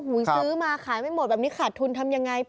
ซื้อมาขายไม่หมดแบบนี้ขาดทุนทำยังไง